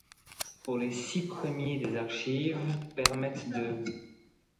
Pour les six premiers des archives permettent de.